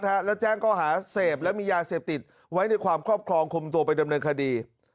สึกพระศิลวัฒน์แล้วแจ้งก็หาเสพแล้วมียาเสพติดไว้ในความครอบครองคุมตัวไปดำเนินคดี